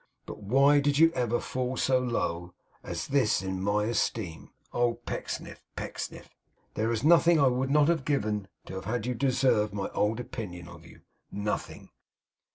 But why did you ever fall so low as this in my esteem! Oh Pecksniff, Pecksniff, there is nothing I would not have given, to have had you deserve my old opinion of you; nothing!